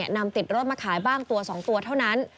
นำติดรถมาขายบ้างตัว๒ตัวเท่านั้น